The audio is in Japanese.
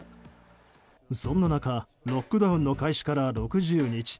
そんな中ロックダウンの開始から６０日。